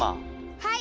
はい。